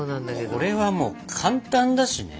これはもう簡単だしね。